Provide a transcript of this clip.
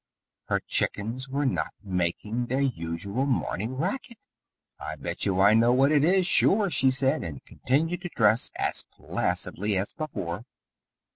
Her chickens were not making their usual morning racket. "I bet you I know what it is, sure," she said, and continued to dress as placidly as before.